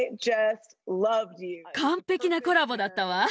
完璧なコラボだったわ。